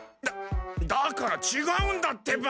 だからちがうんだってば！